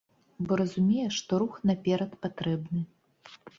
Бо разумее, што рух наперад патрэбны.